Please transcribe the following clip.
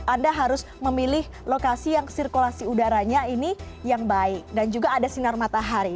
anda harus memilih lokasi yang sirkulasi udaranya ini yang baik dan juga ada sinar matahari